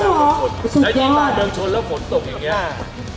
และที่มาเมืองชนแล้วฝนตกอย่างนี้